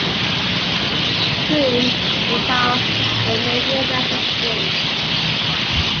Froom is of Romanian ancestry.